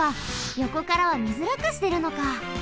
よこからはみづらくしてるのか。